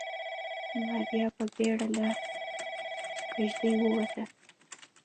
ماريا په بيړه له کېږدۍ ووته.